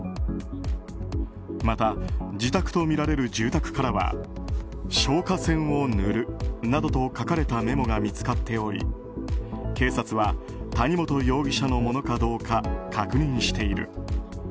また自宅とみられる住宅からは「消火栓を塗る」などと書かれたメモが見つかっており警察は谷本容疑者のものかどうか確認している。